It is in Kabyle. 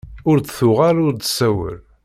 Ur d-tuɣal ur d-tsawel.